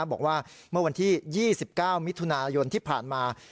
บอกว่าเมื่อวันที่๒๙มิถุนายนที่ผ่านมา